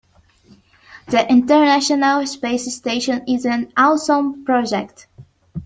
The international space station is an awesome project.